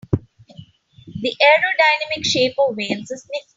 The aerodynamic shape of whales is nifty.